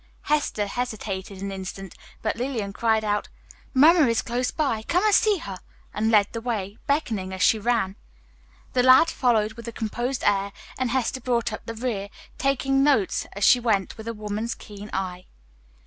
Hester hesitated an instant, but Lillian cried out, "Mamma is close by, come and see her," and led the way, beckoning as she ran. The lad followed with a composed air, and Hester brought up the rear, taking notes as she went with a woman's keen eye.